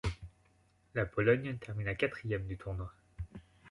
La Pologne termina quatrième du tournoi.